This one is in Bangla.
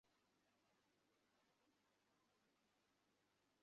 রাজা কহিলেন, সত্য নাকি।